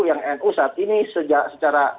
yang nu saat ini secara